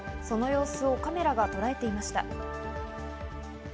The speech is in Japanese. その様子をカメラがとらえていました。